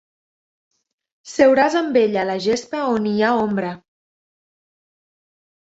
Seuràs amb ella a la gespa on hi ha ombra.